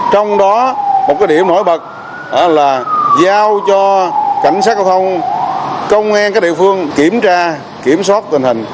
trong đó một điểm nổi bật là giao cho cảnh sát giao thông công an các địa phương kiểm tra kiểm soát tình hình